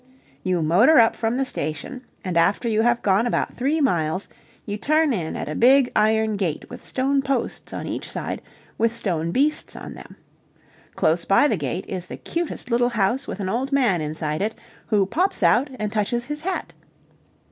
You motor up from the station, and after you have gone about three miles, you turn in at a big iron gate with stone posts on each side with stone beasts on them. Close by the gate is the cutest little house with an old man inside it who pops out and touches his hat.